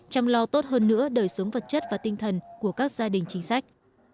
chăm lo tốt hơn nữa đời sống vật chất và tinh thần của các gia đình chính sách